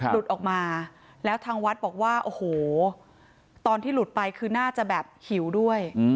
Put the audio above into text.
หลุดออกมาแล้วทางวัดบอกว่าโอ้โหตอนที่หลุดไปคือน่าจะแบบหิวด้วย